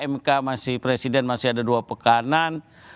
mk masih presiden masih ada dua pekanan